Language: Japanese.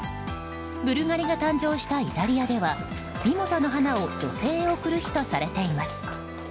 ブルガリが誕生したイタリアではミモザの花を女性へ贈る日とされています。